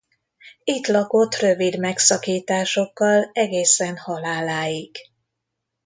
Itt lakott rövid megszakításokkal egészen haláláig.